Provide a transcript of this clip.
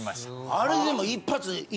あれでも。